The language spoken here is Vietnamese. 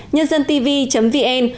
nhân dân tv vn